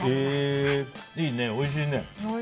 いいね、おいしいね。